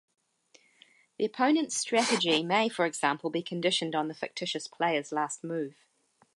The opponent's strategy may for example be conditioned on the fictitious player's last move.